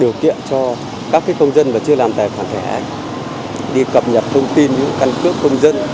điều kiện cho các công dân mà chưa làm tài khoản thẻ đi cập nhật thông tin những căn cước công dân